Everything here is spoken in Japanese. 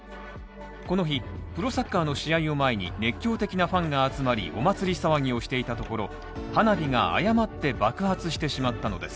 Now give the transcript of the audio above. この日、プロサッカーの試合を前に、熱狂的なファンが集まり、お祭り騒ぎをしていたところ、花火が誤って爆発してしまったのです。